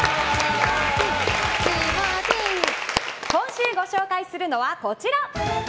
今週ご紹介するのはこちら。